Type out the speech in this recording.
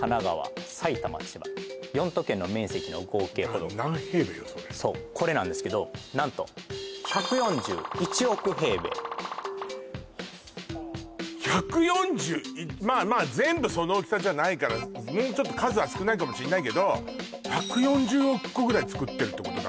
また何平米よそれそうこれなんですけど何と１４１まあまあ全部その大きさじゃないからもうちょっと数は少ないかもしれないけど１４０億個ぐらい作ってるってこと？